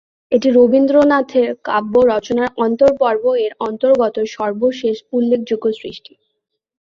এটি রবীন্দ্রনাথের কাব্য রচনার "অন্ত্যপর্ব"-এর অন্তর্গত সর্বশেষ উল্লেখযোগ্য সৃষ্টি।